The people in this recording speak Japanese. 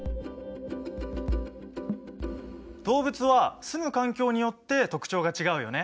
動物はすむ環境によって特徴が違うよね。